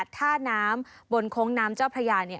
ท่าน้ำบนโค้งน้ำเจ้าพระยา